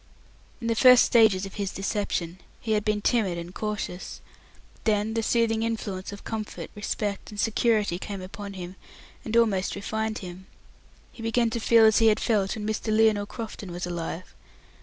In the first stages of his deception he had been timid and cautious. Then the soothing influence of comfort, respect, and security came upon him, and almost refined him. He began to feel as he had felt when Mr. Lionel Crofton was alive.